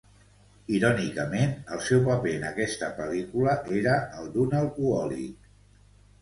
Irònicament, el seu paper en aquesta pel·lícula era el d'un alcohòlic.